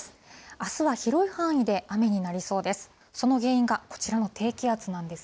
あすは広い範囲で雨になりそうです。